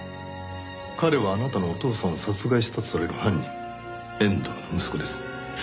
彼はあなたのお父さんを殺害したとされる犯人遠藤の息子です。